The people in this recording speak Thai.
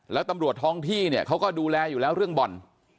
แล้วตำรวจท้องที่เนี่ยเขาก็ดูแลอยู่แล้วเรื่องบ่อน